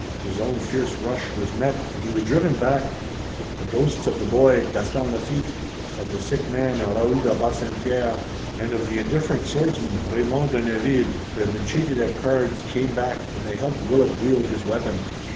His own fierce rush was met and he was driven back. The ghosts of the boy, Gaston Lafitte, of the sick man Raoul de Bassempierre, and of the indifferent swordsman, Raymond de Neville who had been cheated at cards, came back, and they helped Willet wield his weapon.